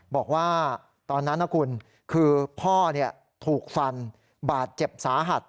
บอกว่าตอนนั้นนะคุณคือพ่อถูกฟันบาดเจ็บสาหัส